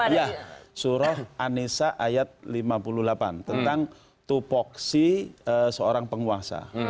ya surah anissa ayat lima puluh delapan tentang tupoksi seorang penguasa